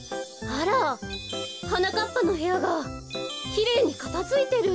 あらはなかっぱのへやがきれいにかたづいてる。